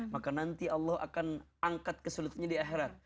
maka nanti allah akan angkat kesulitannya di akhirat